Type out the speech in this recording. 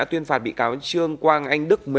tuyên phạt bị cáo trương quang anh đức